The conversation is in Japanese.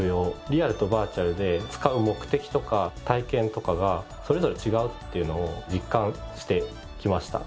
リアルとバーチャルで使う目的とか体験とかがそれぞれ違うっていうのを実感してきました。